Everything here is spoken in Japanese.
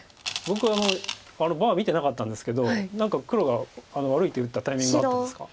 僕バー見てなかったんですけど何か黒が悪い手打ったタイミングがあったんですか？